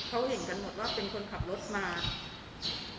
เขาเห็นกันหมดว่าเป็นคนขับรถมา